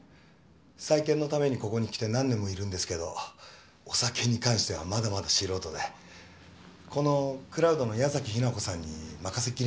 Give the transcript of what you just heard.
再建のためにここに来て何年もいるんですけどお酒に関してはまだまだ素人でこの蔵人の矢崎日名子さんに任せっきりなんですよ。